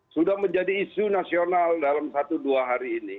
sudah menjadi isu nasional dalam satu dua hari ini